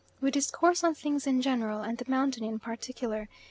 We discourse on things in general and the mountain in particular.